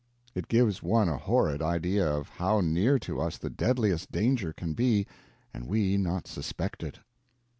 It gives one a horrid idea of how near to us the deadliest danger can be and we not suspect it.